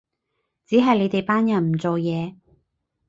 只係你哋班人唔做嘢